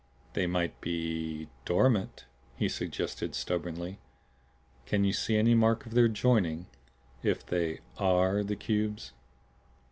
"They might be dormant," he suggested stubbornly. "Can you see any mark of their joining if they ARE the cubes?"